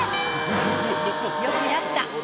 よくやった。